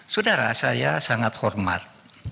saudara saya sangat hormat